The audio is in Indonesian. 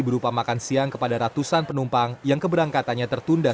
berupa makan siang kepada ratusan penumpang yang keberangkatannya tertunda